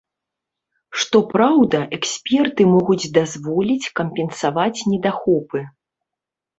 Што праўда, эксперты могуць дазволіць кампенсаваць недахопы.